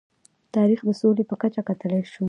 تاریخ د نړۍ په کچه کتلی شو.